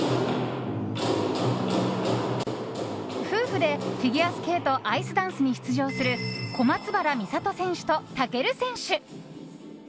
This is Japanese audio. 夫婦でフィギュアスケートアイスダンスに出場する小松原美里選手と尊選手。